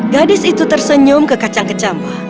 gadis itu tersenyum ke kacang kecamba